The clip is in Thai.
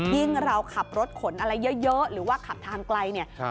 เราขับรถขนอะไรเยอะหรือว่าขับทางไกลเนี่ย